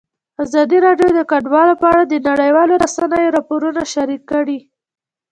ازادي راډیو د کډوال په اړه د نړیوالو رسنیو راپورونه شریک کړي.